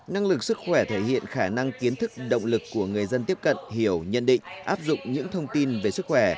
năng lực sức khỏe thể hiện khả năng kiến thức động lực của người dân tiếp cận hiểu nhận định áp dụng những thông tin về sức khỏe